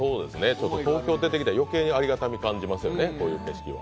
東京出てきたら余計にありがたみ感じますよね、こういう景色は。